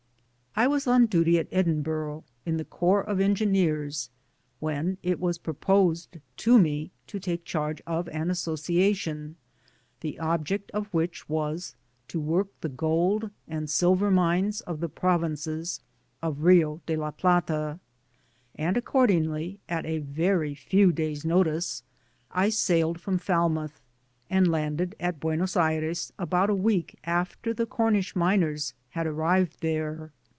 I was on duty at Edinburgh, in the corps of En^neers, when it was proposed to me to take charge of an Association, the object of which was to work the Gold and Silver Mines erf the Pix)vinces of Rio de la Plata ; and, accordingly, at a very few days' notice, I sailed from Falmouth, and kmded at Buenos Aires about a week after the Comish Miners had arrived there.